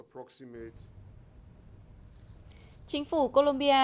chính phủ colombia